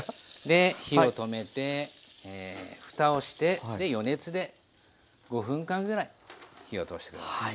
で火を止めてふたをして余熱で５分間ぐらい火を通して下さい。